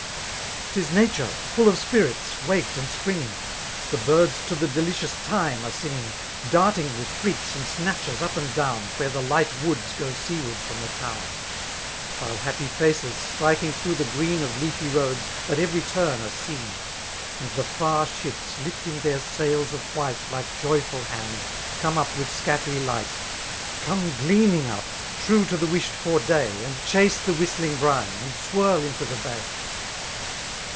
*Tis nature^ full of spirits, waked and springing :— The birds to the delicious time are singing, • Darting with freaks and snatches up and down. Where the light woods go seaward from the town ; While happy faces, striking through the green Of leafy roads, at every turn are seen; And the far ships, lifting their sails of white Like Joyful hands, come up with scattery light. Come gleaming up, true to the' wished for day. And chase the whistling brine, and swirl into the bay.